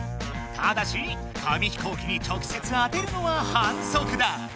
ただし紙飛行機に直せつ当てるのははんそくだ！